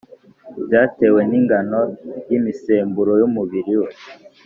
byatewe n’ingano y’imisemburo y’umubiri we